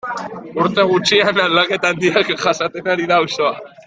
Urte gutxian aldaketa handiak jasaten ari da auzoa.